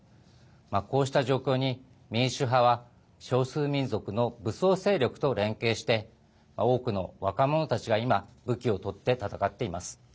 こうした状況に民主派は少数民族の武装勢力と連携して多くの若者たちは今武器を取って戦っています。